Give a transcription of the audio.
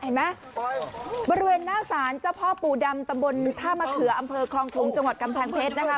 เห็นไหมบริเวณหน้าศาลเจ้าพ่อปู่ดำตำบลท่ามะเขืออำเภอคลองคงจังหวัดกำแพงเพชรนะคะ